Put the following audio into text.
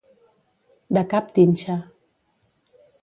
De cap d'inxa.